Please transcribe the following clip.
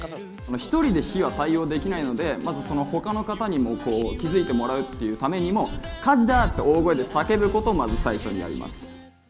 １人で火は対応できないので、まずほかの方にも気付いてもらうっていうためにも、火事だ！って大声で叫ぶことを、まず最初にやります。